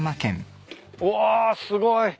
うわすごい。